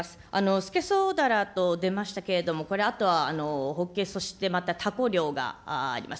スケソウダラと出ましたけれども、これあとはホッケ、そしてまたタコ漁があります。